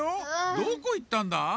どこいったんだ？